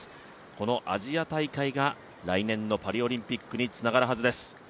このアジア大会が来年のパリオリンピックにつながるはずです。